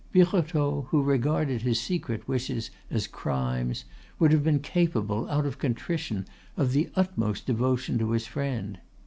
Birotteau, who regarded his secret wishes as crimes, would have been capable, out of contrition, of the utmost devotion to his friend.